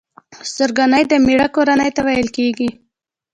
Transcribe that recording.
خسرګنۍ د مېړه کورنۍ ته ويل کيږي.